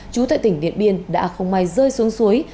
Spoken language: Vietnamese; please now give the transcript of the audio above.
chú tại tỉnh điện biên đã không may rơi xuống suối